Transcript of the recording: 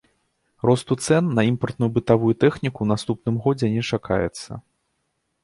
Росту цэн на імпартную бытавую тэхніку ў наступным годзе не чакаецца.